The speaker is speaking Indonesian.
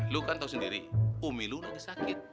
lu kan tau sendiri umi lu lagi sakit